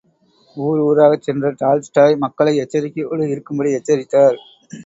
ஊர் ஊராகச் சென்ற டால்ஸ்டாய் மக்களை எச்சரிக்கையோடு இருக்கும்படி எச்சரித்தார்.